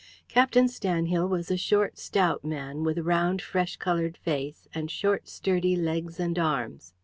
Captain Stanhill was a short stout man, with a round, fresh coloured face, and short sturdy legs and arms.